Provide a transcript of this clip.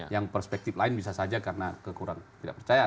yang perspektif lain bisa saja karena kekurangan tidak percaya